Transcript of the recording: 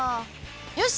よし！